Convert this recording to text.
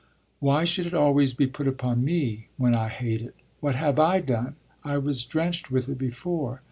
Why should it always be put upon me when I hate it? What have I done? I was drenched with it before."